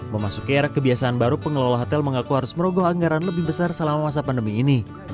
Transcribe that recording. memasuki era kebiasaan baru pengelola hotel mengaku harus merogoh anggaran lebih besar selama masa pandemi ini